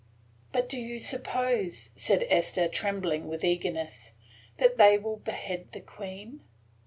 "But do you suppose," said Esther, trembling with eagerness, "that they will behead the Queen?"